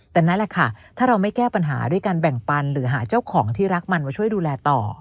แต่นั่นแหละค่ะถ้าเราไม่แก้ปัญหาด้วยการแบ่งปันหรือหาเจ้าของที่รักมันมาช่วยดูแลต่อ